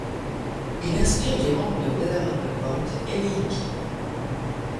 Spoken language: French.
Il inspire des membres de Weather Underground et les Yippies.